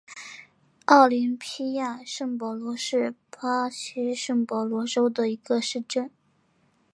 奥林匹亚圣保罗是巴西圣保罗州的一个市镇。